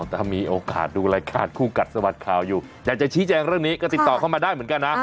ถ้ามีโอกาสดูรายการคู่กัดสะบัดข่าวอยู่อยากจะชี้แจงเรื่องนี้ก็ติดต่อเข้ามาได้เหมือนกันนะ